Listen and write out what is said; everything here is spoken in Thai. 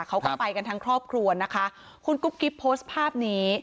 เขาก็ไปกันทั้งครอบครัวนะคะคุณกุ๊บกิ๊บโพสต์ภาพนี้